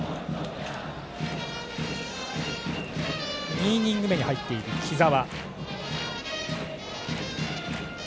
２イニング目に入っている木澤。